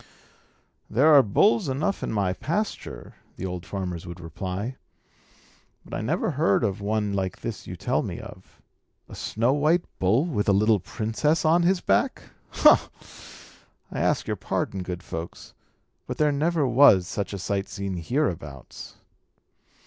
"There are bulls enough in my pasture," the old farmers would reply; "but I never heard of one like this you tell me of. A snow white bull with a little princess on his back! Ho! ho! I ask your pardon, good folks; but there never was such a sight seen hereabouts."